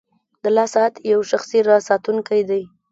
• د لاس ساعت یو شخصي راز ساتونکی دی.